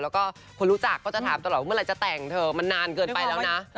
แล้วก็คนรู้จักก็จะถามตลอดว่าเมื่อไหร่จะแต่งเธอมันนานเกินไปแล้วนะ